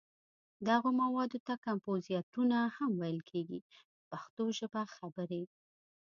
دغو موادو ته کمپوزېټونه هم ویل کېږي په پښتو ژبه خبرې.